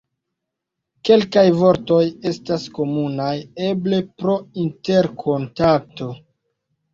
Kelkaj vortoj estas komunaj, eble pro interkontakto.